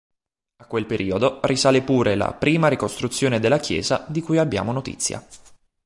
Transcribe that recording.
A quel periodo risale pure la prima ricostruzione della chiesa di cui abbiamo notizia.